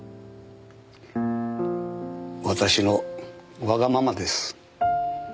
私のわがままです。